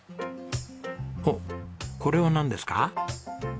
これはなんですか？